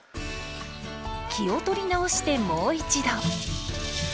気を取り直してもう一度。